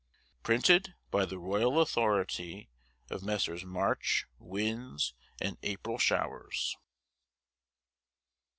PRINTED BY THE ROYAL AUTHORITY of Messrs March Winds and April Showers.